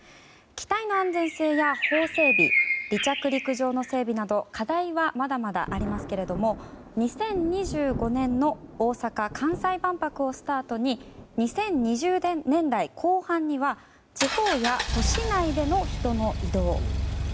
機体の安全性や法整備離着陸場の整備など課題はまだまだありますけど２０２５年の大阪・関西万博をスタートに２０２０年代後半には地方や都市内での人の移動。